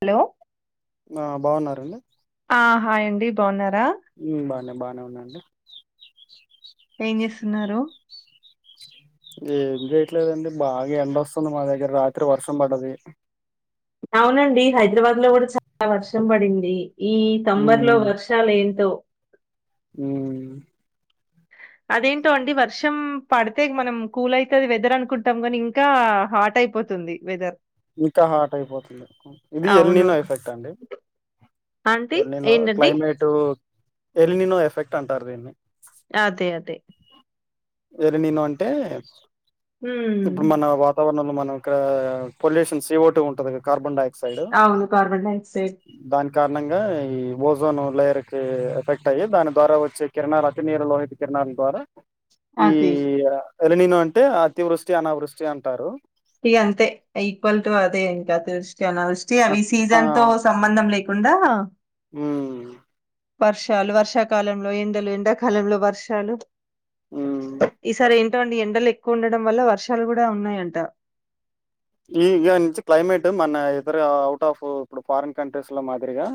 Hello ఆ బాగున్నరండి ఆ హాయ్ యండి బాగున్నారా ఉమ్ బానే బానే ఉన్నాండి ఏం చేస్తున్నారు ఏం చేయట్లేదండి. బాగా ఎండ ఒస్తుంది. మా దగ్గర రాత్రి వర్షం పడ్డది. అవునండి హైదరాబాద్ లో కూడా చాలా వర్షం పడింది. ఈ తంబర్ లో ఉమ్ వర్షాలు ఏంటో ఉమ్ అదేంటో అండి వర్షం పడితే మనం కూల్ అయితుంది వెదర్ అనుకుంటాం కానీ ఇంకా హాట్ అయిపోతుంది వెదర్ ఇంకా హాట్ అయిపోతుంది ఇది అవును ఎన్లినో ఎఫెక్ట్ అండి. ఆంటీ ఎలినో ఏంటండి క్లైమేటు ఎలినో ఎఫెక్ట్ అంటారు. దీన్ని అదే అదే ఎలినినో అంటే ఉమ్ ఇప్పుడు మన వాతావరణంలో మన ఇక్కడ పోల్యూషన్ సీఓటు ఉంటాది కార్బన్ డక్స అవును కార్బన్ డైఆక్సైడ్ దాని కారణంగా ఈ ఓజోన్ లేయర్ కి ఎఫెక్ట్ అయ్యి దాని ద్వారా వచ్చే కిరణాలు అతి నీరు లోహిత కిరణ ద్వారా ఈ అదే ఎలినినో అంటే అతివృష్టి అనావృష్టి అంటారు. ఇగ అంతే ఈక్వల్ టు అదే ఇంక అతివృష్టి, అనావృష్టి అవి అట్ సీజన్ తో సంబంధం లే ఉందా ఉమ్ వర్షాలు వర్షాకాలంలో ఎండలు ఎండాకాలంలో వర్షాలు హ్మ్. ఈసారి ఏంటో అండి. ఎండలు ఎక్కువ ఉండడం వల్ల వర్షాలు కూడా ఉన్నాయంట. ఇయ్య నుంచి క్లైమేట్ మన్నా ఇతర అవుట్ ఆఫ్ ఇప్పుడు ఫారిన్ కంట్రీస్ లో మాదిరిగా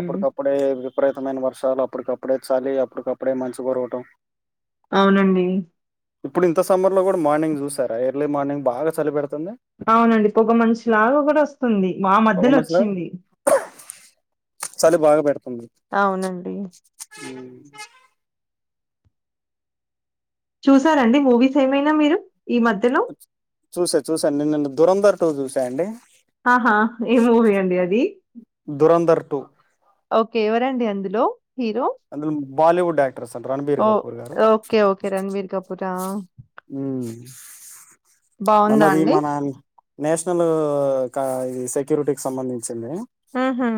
అప్పుడు కప్పుడే విపరీతమైన వర్షాలు అప్పటికప్పుడే చలి అప్పటికప్పుడే మంచు కురవటం అవునండి ఇప్పుడు ఇంత సమ్మర్ లో కూడా మార్నింగ్ చూసారా ఎర్లీ మార్నింగ్ బాగా చలి పెడుతు అవునండి పొగ మంచులాగా కూడా వస్తుంది. మా పొగ మధ్యలో మంచులాగా వచ్చింది. చలి బాగా పెడుతుంది. అవునండి. ఊ చూసారండి మూవీస్ ఏమైనా మీరు ఈ మధ్యలో? చూసా చూసా నిన్న దురంధర్ టూ చూసా అండి ఆహా ఏ మూవీ అండి అది. 'దురంధర్ ఓకే ఎవరండి అందులో హీరో అందులో బాలీవుడ్ యాక్టర్స్ అంట రణబీర్ ఓ కపూర్ గారు ఓకే. ఓకే. 'రణబీర్ కపూరా'. ఉమ్ బావుందా అన్నది అండి? మన నేషనల్ ఇది సెక్యూరిటీకి సంబంధించి ఆహా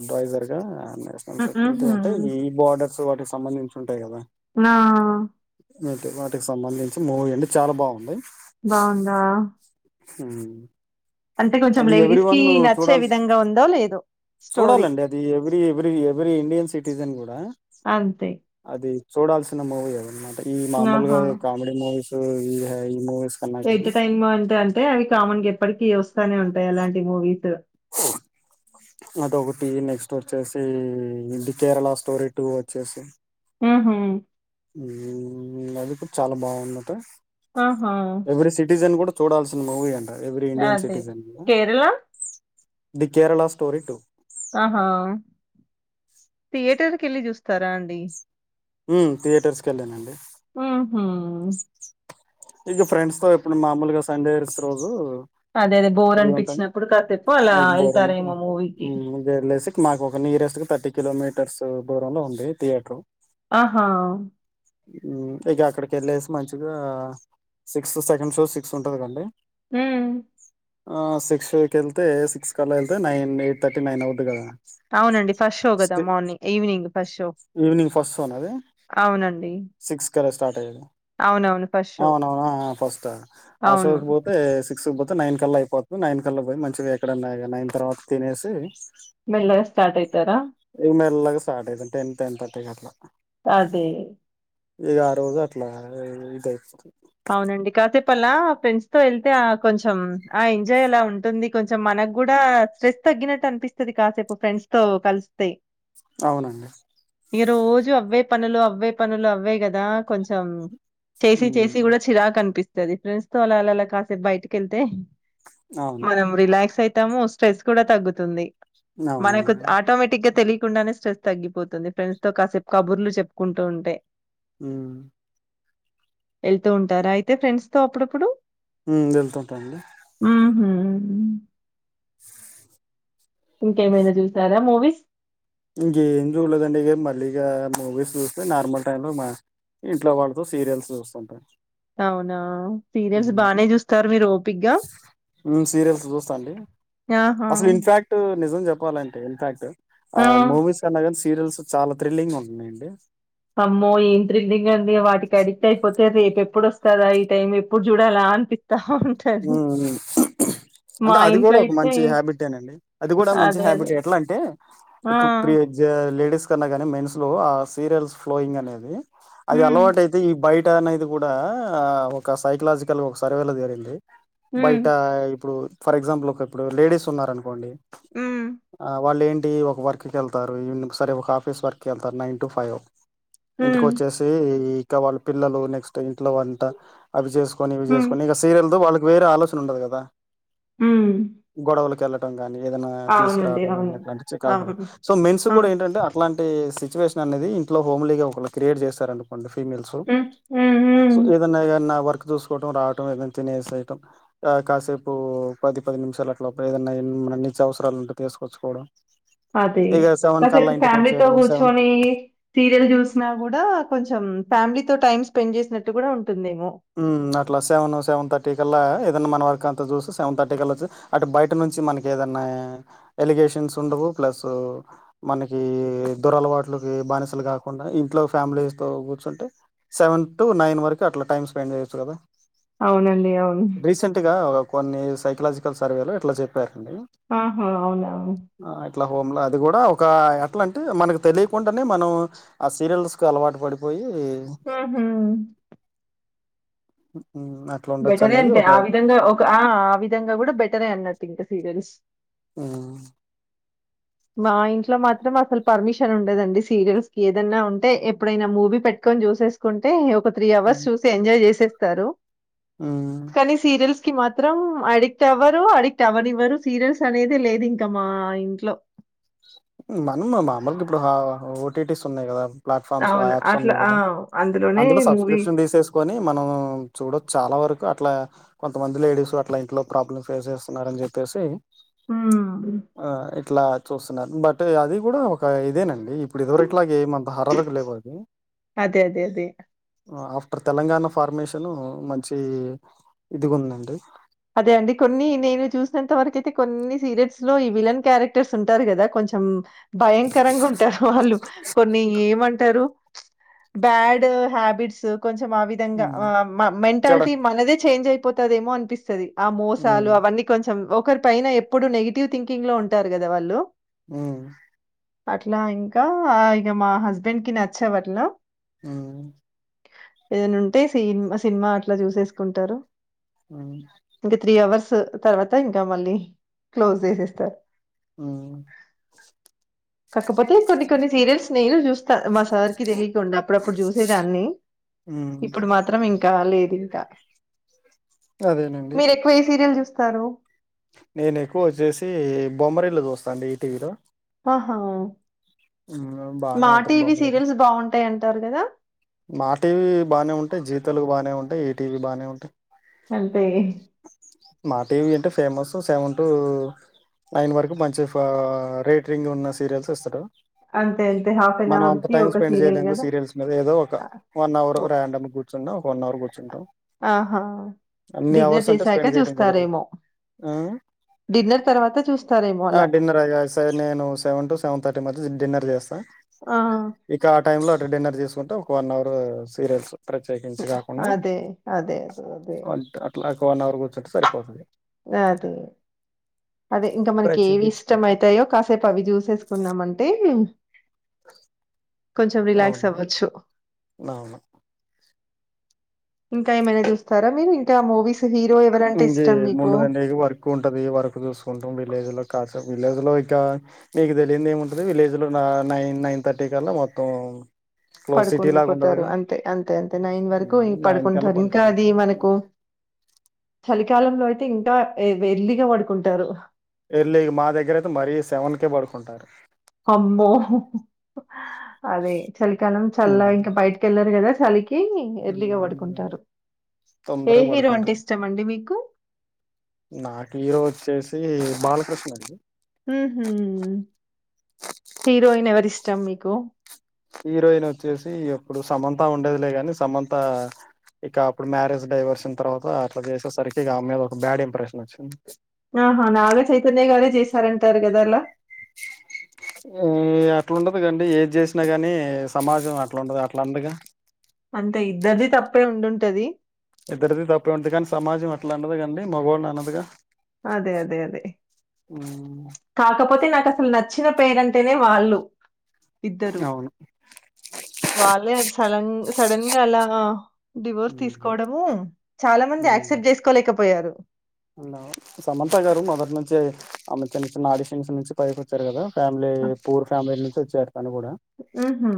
అడ్వైజర్ గా నేషనల్ సెక్యూరిటీ హుహు. అంటే ఈ బార్డర్స్ వాటికి సంబంధించి ఉంటాయి కదా. ఆ టి వాటికి సంబంధించి మూవీ అంటే చాలా బావుంది. బావుందా ఉమ్ అంటే కొంచెం అది ఎవ్రీ లేడీస్ కి వన్ నచ్చే చూడాల్ విధంగా ఉందో లేదో స్టోరీ? చూడాలండి అది every every every Indian citizen కూడా అంతే. అది చూడాల్సిన మూవీ అనమాట ఈ ఆహా! మామూలుగా కామెడీ మూవీస్ ఈ ఈ మూవీ ఎంటర్టైంనెంట్ అంటే అవి కామన్ గా ఎప్పటికి వస్తానే ఉంటాయి. అలాంటి మూవీస్. అది ఒకటి నెక్స్ట్ వచ్చేసి ది కేరళ స్టోరీ టూ వచ్చేసి ఆహ అది కూడా చాలా బావుందట ఆహా! ఎవ్రీ సిటిజన్ కూడా చూడాల్సిన మూవీ అంట. ఎవ్రీ ఇండియన్ అది. Citizen Kerala? The Kerala story two ఆహా థియేటర్ కి వెళ్ళి చూస్తారా అండి మ్ తియేటర్స్ కెళ్ళానండి ఉమ్ ఇక ఫ్రెండ్స్ తో ఇప్పుడు మామూలుగా సండేస్ రోజు అదే. అదే. బోర్ ఫ్రీ ఉంటంది అనిపించినప్పుడు కాసేపు అలా [unintelligible] బోరం ఎళ్తారేమో మూవీకి. [unintelligible] జర్లేసి మాకొక నియరెస్ట్ గా థర్టీ కిలోమీటర్సు దూరంలో ఉంది. థియేటర్ ఆహా మ్మ్ ఇగ అక్కడికెళ్ళేసి మంచిగా సిక్స్ సెకండ్ షోస్ సిక్ససుంటది కదండీ మ్మ్ ఆ సిక్స్ షో కెళ్తే సిక్స్కల్ల ఎళ్తే నైన్ ఎయిట్ థర్టీ నైన్ అవుద్ది కదా అవునండి ఫష్ షో కదా morning evening first show evening first షోన అది అవునండి. సిక్స్ సరే స్టార్ట్ అయ్యెను అవునవును. First show. అవునవునా ఆ ఫస్ట్ అవును. అశోక్ బోతే సిక్స్ బోత్ త్ నైన్ కల్లా అయిపోతది నైన్ కల్లాబోయి మంచిగా ఎక్కడన్నా ఇగ నైన్ తర్వాత తినేసి మెల్లగ స్టార్ట్ అయితార ఇగ మెల్లగా స్టార్ అయితం టెన్ టెన్ థర్టీకట్లా అదే ఇగా ఆ రోజు అట్లా ఇదైపోతుంద్ టెంతే ఆ కొంచెం ఆ ఎంజాయ్ అలా ఉంటుంది కొంచెం మనకుగూడా స్ట్రెస్ తగ్గినట్టనిపిస్తది కాసేపు ఫ్రెండ్స్ తో కలుస్తే అవునండి ఇగ రోజు అవ్వే పనులు అవ్వే పనులు అవ్వే గదా కొంచెం చేసి చేసి ఉమ్ చిగూడా చిరాకనిపిస్తది ఫ్రెండ్స్ తో అలాలలా కాసేపు బయటికెళ్తే అవును మనం రిలాక్స్ అయితాము స్ట్రెస్ కూడా తగ్గుతుంది మనకు అవునవును ఆటోమేటిక్ గా తెలీ కుండానే స్ట్రెస్ తగ్గిపోతుంది ఫ్రెండ్స్ తో కాసేపు కబుర్లు చెప్పుకుంటూ ఉంటే మ్మ్ ఎళ్తూ ఉంటారా అయితే ఫ్రెండ్స్ తో అప్పుడప్పుడు మ్ వెళ్తుంటా అండి హమ్ ఇంకేమైన జూసారా మూవీస్ ఇంకేం చూడలేదండి ఇగ మళ్ళీ ఇగ మూవీస్ జూస్తే నార్మల్ టైమ్ లో మా ఇంట్లోవాల్తో సీరియల్స్ జూస్తుంటా అవునా సీరియల్స్ బానే జూస్తరు మీరు ఓపిగ్గా మ్ సీరియల్స్ జూస్తాండి ఆహా అసల్ ఇన్ఫాక్ట్ నిజం జెప్పాలంటే ఇన్ఫాక్ట్ ఆ మూవీస్ కన్నగానీ సీరియల్స్ చాలా థ్రిల్లింగ్ ఉంటున్నయండి అమ్మో ఏం త్రిల్లింగండీ వాటికి అడిక్ట్ అయిపోతే రేపు ఎప్పుడోస్త్ తదా ఈ టైం ఎప్పుడు జూడాలన్పి మ్ మ్మ్ మా అంటే అది ఇంట్లో గూడా ఒక అయితే మంచి హ్యాబిటేనండి అది గూడా మంచి అదే హ్యాబిట్ అదే ఎట్లంటే ఆ ఇపుడ్ ప్రి జే లేడీస్ ఏమైనా గాని మేన్స్ లో ఆ సీరియల్స్ ఫ్లోయింగ్ అనేది అది హ్మ్ అలవాటైతే ఈ బైట్ టనేది గూడా ఆ ఒక సైకలాజికల్ ఒక సర్వే లో తేలింది హ్మ్ బైటా ఇపుడు ఫర్ ఎగ్జాంపుల్ ఒక ఇపుడు లేడీస్ ఉన్నారనుకోండి హ్మ్ ఆ వాళ్లేం టి ఒక వర్కుకెళ్తారు ఈవినింగ్ సరే ఒక ఆఫీస్ వర్కేల్తారు నైన్ టు ఫైవ్ హ్మ్ ఇంటికొచ్చేసి ఇక వాళ్ళ పిల్లలు నెక్స్ట్ ఇంట్లో వంట అవి జెస్ కొని హ్మ్ ఇవిజేసుకొని ఇగా సీరియల్తో వాళ్ళకి వేరే ఆలోచన ఉండదు గదా హ్మ్. గొడవలకెళ్ళట్ కానీ ఏదన్నా అవునండి తీసుకురరావడం గాని అవును అట్లాంటి చికాకులు అవును సో మెన్స్ ఆ! గూడా ఏంటంటే అట్లాంటి సిచ్ సిట్యువేషన్ అనేది ఇంట్లో హోమ్లీగా ఒకళ్ళు క్రియేట్ జెసారనుకోండి ఫిమేల్సు హ్మ్ హ్మ్ సో హ్మ్ ఏదన్నా ఎన్నా వర్క్ జూసుకోటం రావటం ఏదన్నా తినేసి కాసేపు పది పది నిమిషాలు అట్ల ఏదన్నా మన నిత్యవసరాలు ఉంటే తీసుకొచ్చుకోవడం అదే ఇక సెవెన్ కల్లా కాసేపు ఇంటికి ఫ్యామిలీతో వచ్చేయడం సెవెన్ కూర్చొని సీరియల్ చుసినా కూడా కొంచెం మ్ ఫ్యామిలీ తో టైమ్ స్పెండ్ జేసినట్టు గూడా ఉన్ ఉమ్ అట్లా సెవెను సెవెన్ థర్టీ కల్లా ఎల్ దన్నా మనక అంత జూసి సెవెన్ థర్టీ కలొచ్చు అటు బయట నుంచి మనకి ఏదన్నా ఎలిగేషన్స్ ఉండవు ప్లస్సు మనకి దురలవాట్లకి బానిసలు కాకుండా ఇంట్లో ఫ్యామిలీస్ తో ఉ కుర్చుంటే సెవెన్ టు నైన్ వరకు అట్లా టైమ్ స్పెండ్ చేయొచ్చు గదా అవునండి అవును ఒక కొన్ని సైకలాజికల్ సర్వేలో ఇట్లా చెప్పారు ఆహా అవునా ట్లా హోమ్ ల అది గుడా ఒక ఎట్లా అంటే మనకు తెలియకుండానే మనం ఆ సీరియల్స్కు అలవాటు పడిపోయి ఆహా హ్మ్. అట్లా బెటరే ఉండొచ్చనేది అంటే ఒక ఆ విధంగా ఒక ఆ ఆ విధంగా గుడా బెటరే అన్నట్టు ఇంకా సీరియల్స్ ఆ మా ఇంట్లో మాత్రం అసలు పర్మిషన్ ఉండదండి సీరియల్స్ కి ఏదన్నా ఉంటే ఎప్పుడైనా మూవీ పెట్ కన్ చూసేకుంటే ఒక త్రీ అవర్స్ హ్మ్. చూసి ఎంజాయ్ చేసేస్తారు హ్మ్. కానీ సీరియల్స్ కి మాత్రం అడిక్ట్ అవ్వరు అడిక్ట్ అవ్వనివ్వరు సీరియల్స్ అనేది లేదు ఇంకా మా ఇంట్లో మనం మ మామూలుగా ఇప్పుడు హ ఓటీటీస్ ఉన్నాయి గదా ప్లాట్ఫామ్స్ అవును. యాప్స్ అట్లా ఉన్నాయి ఆ! గదా అందులోనే అందులో మూవీ సబ్స్క్రిప్షన్ తీసేసుకొని మనం చూడచ్ చాలా వరక్ అట్లా కొంతమంది లేడీసు అట్లా ఇంట్లో ప్రాబ్లమ్ ఫేస్ చేస్తున్నరు అని చెప్పేసి హ్మ్. ఆ ఇట్లా చూస్తున్నారు బట్ బట్ అది కూడా ఒక ఇదేనండి ఇప్పుడు ఇదివరట్ల గ ఏమంత హారర్ గ లేవు అవి అదే అదే అదే ఆఫ్టర్ తెలంగాణ ఫార్మేషను మంచి ఇదిగు ఉందండి పదే అండి కొన్ని నేను చూసినంత వరకుయితే కొన్ని సీరియల్స్ లో ఈ విలన్ క్యారెక్టర్స్ ఉంటారు గదా కొంచ్ చెం భయంకరంగా ఉంటారు వాళ్ళు కొన్ని ఏమంట్ రు బ్యాడ్ హబిట్స్ కొంచం ఆ విధంగా హ్మ్. ఆ మ చెడ మెంటాలిటీ మనదే చేంజ్ అయిపోతదేమో అనిపిస్తాది ఆ మోసాలు హ్మ్. అవన్నీ కొంచెం ఒకరి పైన ఎప్పుడు నెగిటివ్ థింకింగ్ లో ఉంటారు గదా వాళ్ళు ఉమ్మ్ అట్లా ఇంకా ఇగ మా హస్బెండ్ కి నచ్చావ్ అట్లా ఉమ్మ్ ఏద్న ఉంటే సినిమా సినిమా అట్లా చూసేసుకుంటరు మ్మ్ ఇంకా త్రీ అవర్స్ తర్వాత ఇంకా మళ్ళీ క్లోజ్ చేసేస్తారు ఉమ్ కాకపోతే కొన్ని కొన్ని సీరియల్స్ నేను చూస్తా మా సార్కి తెలియకుండా అప్పుడప్పుడు చూసేదాని హ్మ్. ఇప్పుడు మాత్రం ఇంకా లేదు ఇంకా మీరు ఎక్కువ ఎమ్ సీరియల్ చూస్తారు నేను ఎక్కువ వచ్చేసి బొమ్మరిల్లు చూస్తా అండి ఈటీవీలో ఆహా బానే ఉంటది బొమ్మరిల్లు అట్ అంటారు గదా మా టీవీ బానే ఉంటాయి జీతెలుగు బానే ఉంటాయి ఈ టీవీ బానే ఉంటాయి అంతే మా టీవీ అంటే ఫేమస్ సెవెన్ టూ నైన్ వరకు మంచి ఫా రేటింగు ఉన్న సీరియల్స్ ఇస్తడు అంతే అంతే. హాఫ్ ఎన్ మనం అంత అవర్‌కి టైం ఒక స్పెండ్ సీరియల్ చేయలేం గా గదా! సీరియల్స్ మీద ఏదో ఒక ఆ! వన్ అవర్ ఓ రాండం గా గూర్చున్న ఒక వన్ అవర్ గూర్చుంటాం ఆహా! అన్ని డిన్నర్ అవర్స్ అంటే చేశాక స్పెండ్ చేయడం కుదరదు చూస్తారేమో. ఆ డిన్నర్ తర్వాత చూస్తారేమో ఆ అలా. డిన్నర్ ఆ స నేను సెవెన్ టు సెవెన్ థర్టీ మధ్య ది డిన్నర్ చేస్తా ఆ టైం లో అట్ట డిన్నర్ చేసుకుంట ఒక వన్ అవర్ సీరియల్సు ప్రత్యేకించి కాకుండా అదే. అదే. అదే. అదే. అట్లా ఒక వన్ అవర్ కూర్చుంటే సరిపోతుంది అదే అదే ఇంకా మనకి ఏవి ప్రత్యేకించి ఇష్టమ అయితాయో కాసేపు అవి చూసేసుకున్నామంటే కొంచం రిలాక్స్ అవును అవ్వచ్చు అవును ఇంకా ఏమయినా చూస్తారా మీరు ఇంకా మూవీస్ హీరో ఎవరంటే ఇష్టం మీకు? ఇంకేముండాది అండి వర్క్ ఉంటది వర్క్ చూసుకుంటుం విలేజ్ లో కాస విలేజ్ లో ఇకా మీకు తేలిందిముంటది విలేజ్ లో నైన్ నైన్ థర్టీ కల్లా మొత్ తం క్లోజ్ సిటీ లాగా పడుకుండిపోతారు. ఉండదుగా అంతే. అంతే. అంతే. వరకు ఇ నైన్కల్ పడుకుంటారు. పడుకో ఇంకా అది మనకు చలికాలంలో అయితే ఇంకా ఎ-ఎర్లీగా పడుకుంటారు ఎర్లీ మా దగ్గర అయితే మరీ సెవెనకే పడుకుంటారు అమ్మో అదే చలికాలం చల్ల ఉమ్. ఇంక బయటకి వెళ్లరు కదా కి ఎర్లీగా ఉమ్. పడుకుంటారు ఏ తొందరగా హీరో అంటే పడుకుంటారు ఇష్టం అండి మీకు నాకు హీరో వచ్చేసి బాలకృష్ణ అండి ఉహు హీరోయిన్ ఎవరి ఇష్టం మీకు హీరోయిన్ వచ్చేసి ఎప్పుడు సమంత ఉండేదిలే గాని సమంత ఇక అప్పుడు మ్యారేజ్ డైవర్షన్ తర్వాత అట్లా చేసేసరికి ఇక ఆమే మీద ఒక బ్యాడ్ ఇంప్రెషన్ వచ్చింది ఆహా నాగచైతన్య గారే చేసారంటారు కద అలా మ్ అట్లాండదు కండి ఏది చేసినా గాని సమాజం అట్లాండదు అట్లా అనరుగా అంతే ఇద్దరిది తప్పే ఉండుంటాది ఇద్దరిది తప్పే ఉంది కానీ సమాజం అట్లా అనదకదండీ మొగోని అనదుగా అదే అదే అదే కాకపోతే నా కసలు నచ్చిన పెయిర్ అంటేనే వాళ్ళు ఇద్దరు అవును వాళ్ళే అది సలన్ సడన్ గా అలా డివోర్స్ తీసుకోవడము చాలా మంది అక్సెప్ట్ చేసుకోలేకపోయారు హలో సమంత గారు మొదటి నుంచి ఆమె చిన్న చిన్న ఆడిషన్స్ నుంచి పైకొచ్చారు కదా ఫ్యామిలీ పూర్ ఫ్యామిలీ నుంచి వచ్చారు తను కూడా ఉహు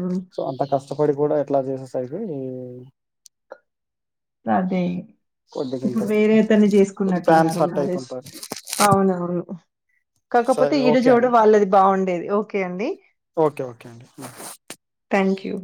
అప్పటి కూడా ఇట్లా చేసే సరికి అదే ఇప్పుడు వేరే అతన్ని ఫ్యాన్స్ చేసుకున్నట్టున్నారు హట్ మ్యారేజ్ అవుతుంటారు అవునావును కాకపోతే సరే ఈడు ఓకే జోడు అండి వాళ్ళది బాగుండేది ఒకే అండి ఓకే ఓకే అండి థాంక్యూ